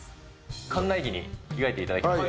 館内着に着替えていただきました。